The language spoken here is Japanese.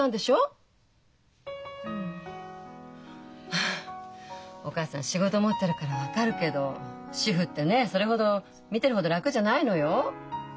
はあお母さん仕事持ってるから分かるけど主婦ってねそれほど見てるほど楽じゃないのよ。